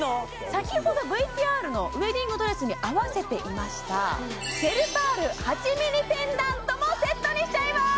先ほどＶＴＲのウエディングドレスに合わせていましたシェルパール８ｍｍペンダントもセットにしちゃいます！